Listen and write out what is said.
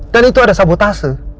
dan itu ada sabotase